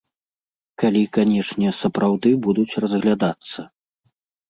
Калі, канешне, сапраўды будуць разглядацца.